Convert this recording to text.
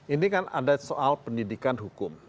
ini kan ada soal pendidikan hukum